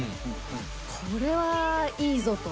これはいいぞと。